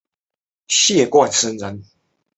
谢冠生人。